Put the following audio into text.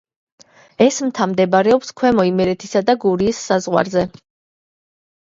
ეს მთა მდებარეობს ქვემო იმერეთისა და გურიის საზღვარზე.